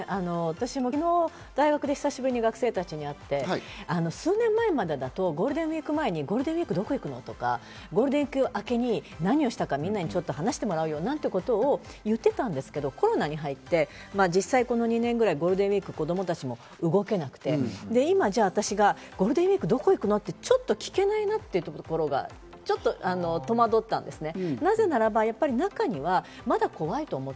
私も昨日、大学で久しぶりに学生たちに会って数年前までだと、ゴールデンウイーク前に「ゴールデンウイークどこ行くの？」とかゴールデンウイーク明けに何をしたかみんなにちょっと話してもらうよなんてことを言ってたんですけど、コロナに入って実際、この２年ぐらいゴールデンウイーク、子供たちも動けなくて、じゃあ、今、私がゴールデンウイーク、どこ行くの？ってちょっと聞けないなっていうところが、ちょっと戸惑ったんですね。